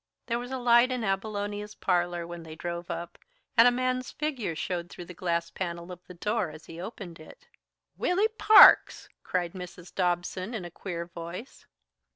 There was a light in Abilonia's parlor when they drove up, and a man's figure showed through the glass panel of the door as he opened it. "Willy Parks!" cried Mrs. Dobson in a queer voice.